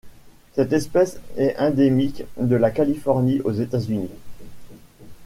Cette espèce est endémique de la Californie aux États-Unis.